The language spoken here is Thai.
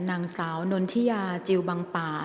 นางสาวนนทิยาจิลบังป่า